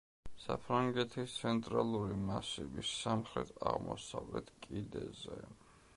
საფრანგეთის ცენტრალური მასივის სამხრეთ-აღმოსავლეთ კიდეზე.